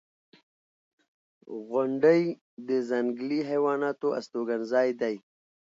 • غونډۍ د ځنګلي حیواناتو استوګنځای دی.